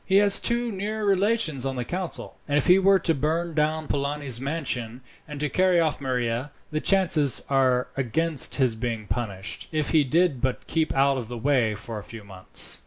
He has two near relations on the council, and if he were to burn down Polani's mansion, and to carry off Maria, the chances are against his being punished, if he did but keep out of the way for a few months."